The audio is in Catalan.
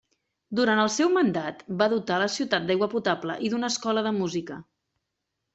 Durant el seu mandat va dotar la ciutat d'aigua potable i d'una escola de música.